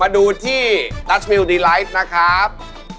มาดูที่นัฐมิลบิรายนะครับ